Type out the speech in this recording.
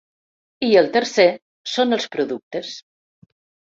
I el tercer són els productes.